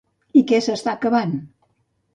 I què s'està acabant?